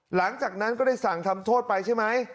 หลังจากนั้นก็ได้สั่งทำโทษไปใช่ไหม